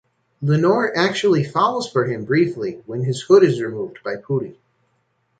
Lenore actually falls for him briefly when his hood is removed by Pooty.